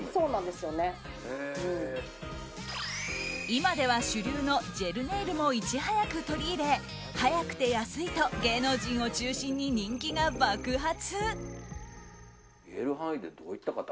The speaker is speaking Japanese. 今では主流のジェルネイルもいち早く取り入れ早くて安いと芸能人を中心に人気が爆発。